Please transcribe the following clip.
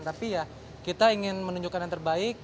tapi ya kita ingin menunjukkan yang terbaik